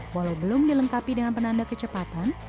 walau belum dilengkapi dengan penanda kecepatan